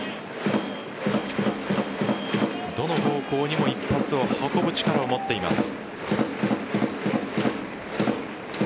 どの方向にも一発を運ぶ力を持っています。